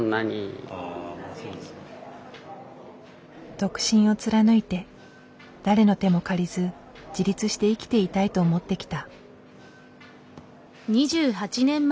独身を貫いて誰の手も借りず自立して生きていたいと思ってきた。